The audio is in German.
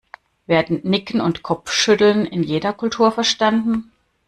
Werden Nicken und Kopfschütteln in jeder Kultur verstanden?